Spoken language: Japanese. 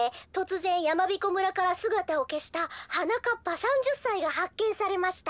やまびこ村からすがたをけしたはなかっぱ３０さいがはっけんされました」。